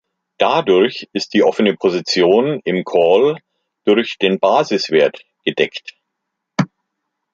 Dadurch ist die offene Position im Call durch den Basiswert „gedeckt“.